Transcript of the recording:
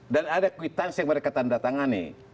dan ada kwitansi yang mereka tanda tangani